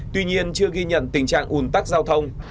tuy nhiên chưa ghi nhận tình trạng ủn tắc giao thông